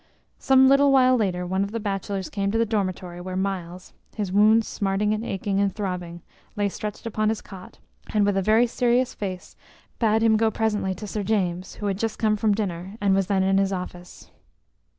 Some little while later one of the bachelors came to the dormitory where Myles, his wounds smarting and aching and throbbing, lay stretched upon his cot, and with a very serious face bade him to go presently to Sir James, who had just come from dinner, and was then in his office.